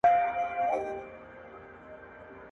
هیوادونه د یو بل د کلتوري تنوع په ارزښت او اهمیت ښه پوهیږي.